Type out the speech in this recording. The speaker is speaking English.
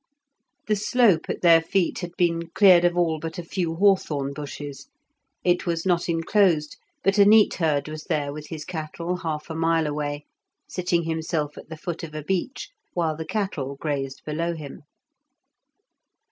The slope at their feet had been cleared of all but a few hawthorn bushes. It was not enclosed, but a neatherd was there with his cattle half a mile away, sitting himself at the foot of a beech, while the cattle grazed below him.